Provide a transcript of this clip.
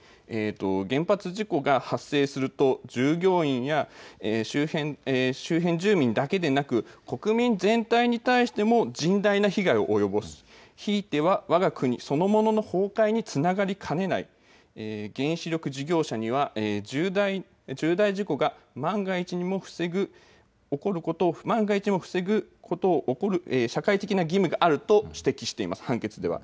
原発事故が発生すると、従業員や周辺住民だけでなく、国民全体に対しても甚大な被害を及ぼす、ひいては、わが国そのものの崩壊につながりかねない、原子力事業者には重大事故が万が一にも防ぐことをおこる、社会的な義務があると指摘しています、判決では。